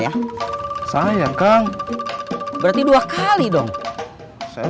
arti km album dibawa ke kita saja